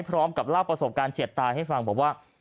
พร้อมกับเล่าประสบการณ์เฉียดตายให้ฟังบอกว่า